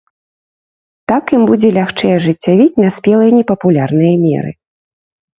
Так ім будзе лягчэй ажыццявіць наспелыя непапулярныя меры.